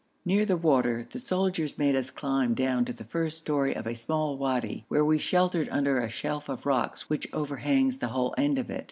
Near the water the soldiers made us climb down to the first story of a small wadi, where we sheltered under a shelf of rock which overhangs the whole end of it.